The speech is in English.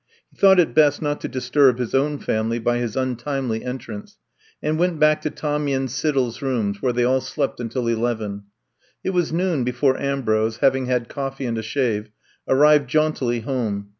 He thought it best not to disturb his own family by his untimely entrance and went back to Tommy and SiddelPs rooms, where they all slept until eleven. It was noon before Ambrose, having had coffee and a shave, arrived jauntily home.